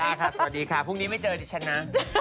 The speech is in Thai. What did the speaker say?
ค่ะสวัสดีค่ะพรุ่งนี้ไม่เจอดิฉันนะ